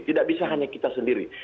tidak bisa hanya kita sendiri